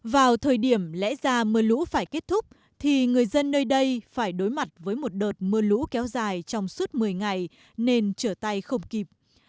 vào thời điểm lẽ ra mưa lũ phải kết thúc thì người dân nơi đây phải đối mặt với một đợt mưa lũ kéo dài trong suốt một mươi ngày nên trở tay không kịp